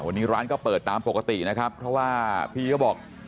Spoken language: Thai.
วันนี้ร้านก็เปิดตามปกตินะครับเพราะว่าพี่ก็บอก